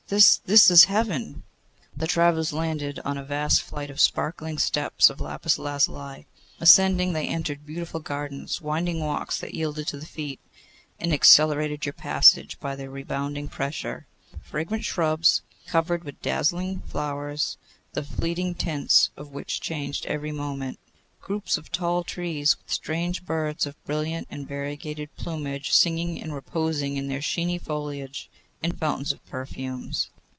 This, this is Heaven!' The travellers landed on a vast flight of sparkling steps of lapis lazuli. Ascending, they entered beautiful gardens; winding walks that yielded to the feet, and accelerated your passage by their rebounding pressure; fragrant shrubs covered with dazzling flowers, the fleeting tints of which changed every moment; groups of tall trees, with strange birds of brilliant and variegated plumage, singing and reposing in their sheeny foliage, and fountains of perfumes.